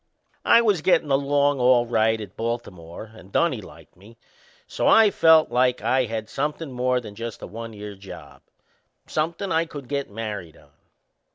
I was gettin' along all right at Baltimore and Dunnie liked me; so I felt like I had somethin' more than just a one year job somethin' I could get married on.